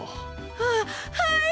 ははい！